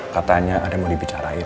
katanya ada yang mau dibicarain